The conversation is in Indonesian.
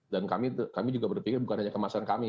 dan kami juga berpikir bukan hanya kemasan kami